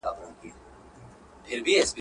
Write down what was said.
د هري سپوږمیزي شپې تر شا